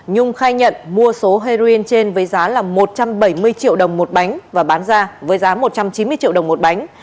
nhung khai nhận mua số heroin trên với giá là một trăm bảy mươi triệu đồng một bánh và bán ra với giá một trăm chín mươi triệu đồng một bánh